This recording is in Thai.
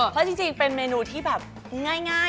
ไปไหนเสียถูกไหมคะ